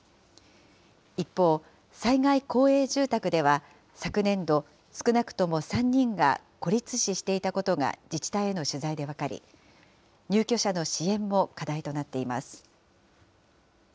一方、災害公営住宅では、昨年度、少なくとも３人が孤立死していたことが自治体への取材で分かり、入居者の支援も課題となっています。